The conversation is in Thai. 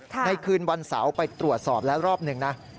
ในคืนวันเสาร์ไปตรวจสอบแล้วรอบหนึ่งนะ